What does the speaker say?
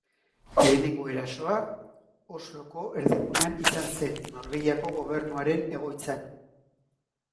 Lehenengo erasoa, Osloko erdigunean izan zen Norvegiako gobernuaren egoitzan.